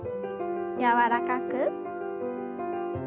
柔らかく。